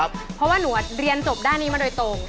เพราะว่าหนูเรียนจบด้านนี้มาโดยตรง